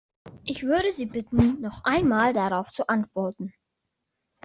Ich würde Sie bitten, noch einmal darauf zu antworten.